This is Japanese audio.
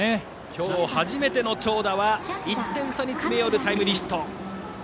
今日初めての長打は１点差に詰め寄るタイムリーヒット。